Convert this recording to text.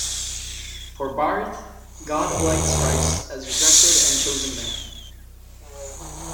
For Barth, God elects Christ as rejected and chosen man.